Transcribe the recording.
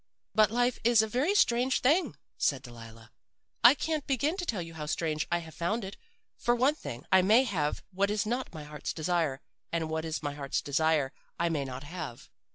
"'But life is a very strange thing,' said Delilah. 'I can't begin to tell you how strange I have found it. For one thing, I may have what is not my heart's desire, and what is my heart's desire I may not have.